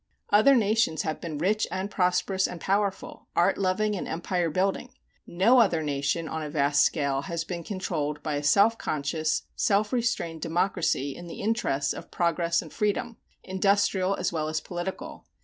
Other nations have been rich and prosperous and powerful, art loving and empire building. No other nation on a vast scale has been controlled by a self conscious, self restrained democracy in the interests of progress and freedom, industrial as well as political.